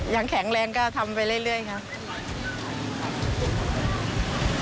แข็งแรงก็ทำไปเรื่อยครับ